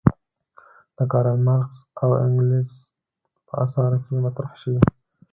د کارل مارکس او انګلز په اثارو کې مطرح شوې.